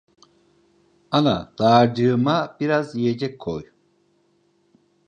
Ana, dağarcığıma biraz yiyecek koy…